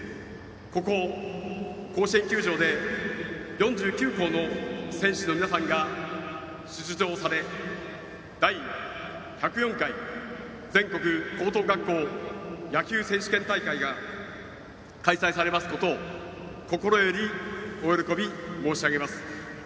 ここ甲子園球場で４９校の選手の皆さんが出場され第１０４回全国高等学校野球選手権大会が開催されますことを心よりお喜び申し上げます。